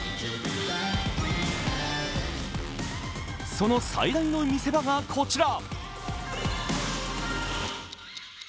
その最大の見せ場がこちら。